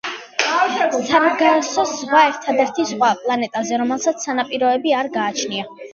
სარგასოს ზღვა ერთადერთი „ზღვაა“ პლანეტაზე, რომელსაც სანაპიროები არ გააჩნია.